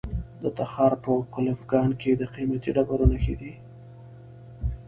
د تخار په کلفګان کې د قیمتي ډبرو نښې دي.